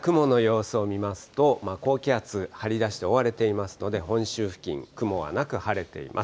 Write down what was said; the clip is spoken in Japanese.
雲の様子を見ますと、高気圧張り出して、覆われていますので、本州付近、雲はなく晴れています。